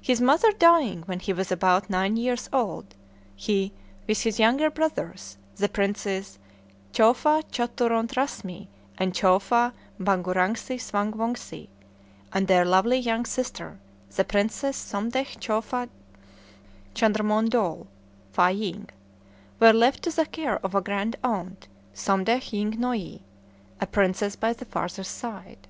His mother dying when he was about nine years old, he, with his younger brothers, the Princes Chowfa Chaturont Rasmi and Chowfa Bhangurangsi Swang Wongse, and their lovely young sister, the Princess Somdetch Chowfa Chandrmondol ("Fâ ying"), were left to the care of a grand aunt, Somdetch Ying Noie, a princess by the father's side.